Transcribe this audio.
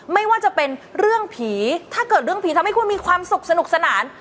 ไม่ว่าจะเป็นเรื่องผีถ้าเกิดเรื่องผีทำให้คุณมีความสุขสนุกสนาน